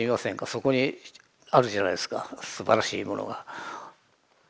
そこにあるじゃないですかすばらしいものが。